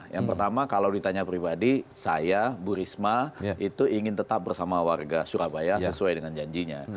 yang pertama kalau ditanya pribadi saya bu risma itu ingin tetap bersama warga surabaya sesuai dengan janjinya